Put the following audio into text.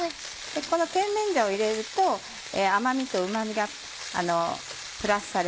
この甜麺醤を入れると甘味とうま味がプラスされます。